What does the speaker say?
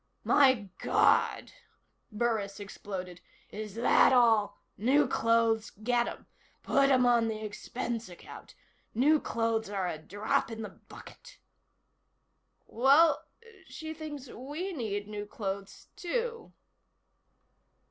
"My God," Burris exploded. "Is that all? New clothes? Get 'em. Put 'em on the expense account. New clothes are a drop in the bucket." "Well she thinks we need new clothes, too."